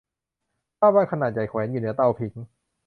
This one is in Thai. ภาพวาดขนาดใหญ่แขวนอยู่เหนือเตาผิง